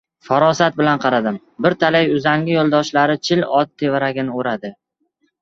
Farosat bilan qaradim. Bir talay uzangi yo‘ldoshlari Chil ot tevaragini o‘radi.